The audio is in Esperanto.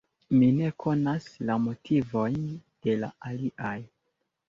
Mi ne konas la motivojn de la aliaj.